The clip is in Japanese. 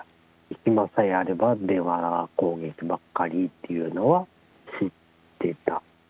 暇さえあれば、電話攻撃ばっかりっていうのは知ってた。